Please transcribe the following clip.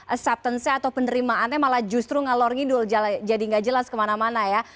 acceptance nya atau penerimaannya malah justru ngalor ngidul jadi nggak jelas kemana mana ya